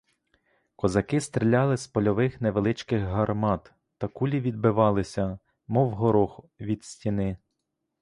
Козаки стріляли з польових невеличких гармат, та кулі відбивалися, мов горох від стіни.